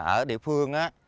ở địa phương